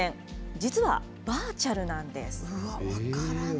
実はバーチャルなんです。